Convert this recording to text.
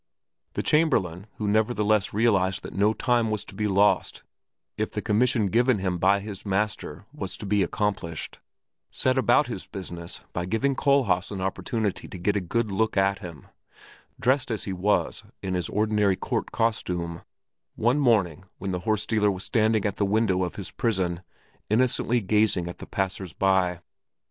The Chamberlain, who nevertheless realized that no time was to be lost if the commission given him by his master was to be accomplished, set about his business by giving Kohlhaas an opportunity to get a good look at him, dressed as he was in his ordinary court costume, one morning when the horse dealer was standing at the window of his prison innocently gazing at the passers by.